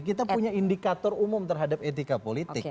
kita punya indikator umum terhadap etika politik